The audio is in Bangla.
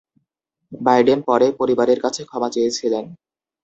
বাইডেন পরে পরিবারের কাছে ক্ষমা চেয়েছিলেন।